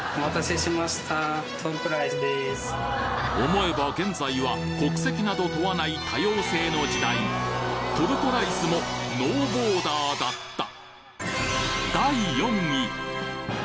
思えば現在は国籍など問わない多様性の時代トルコライスもノーボーダーだった！